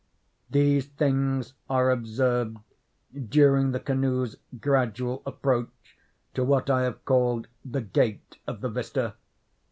These things are observed during the canoe's gradual approach to what I have called the gate of the vista.